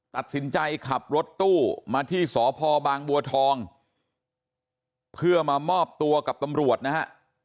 ตัดสินใจขับรถตู้มาที่สพบางบัวทองเพื่อมามอบตัวกับตำรวจนะฮะ